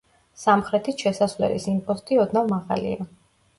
სამხრეთით შესასვლელის იმპოსტი ოდნავ მაღალია.